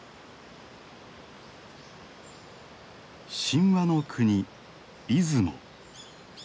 神話の国出雲。